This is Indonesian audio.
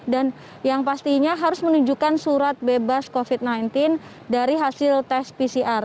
dan yang pastinya harus menunjukkan surat bebas covid sembilan belas dari hasil tes pcr